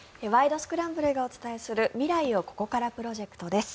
スクランブル」がお伝えする未来をここからプロジェクトです。